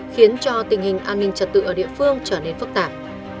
khiến cho tình hình an ninh trật tự ở địa phương trở nên phức tạp